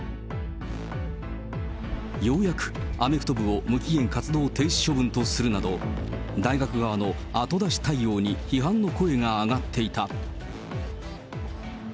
ようやくアメフト部を無期限活動停止処分とするなど、大学側の後出し対応に批判の声が上がっていた。